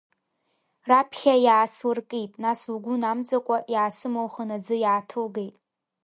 Раԥхьа иааслыркит, нас лгәы намӡакәа иаасымылхын аӡы иааҭылгеит.